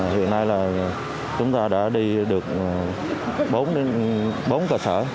hiện nay chúng ta đã đi được bốn cơ sở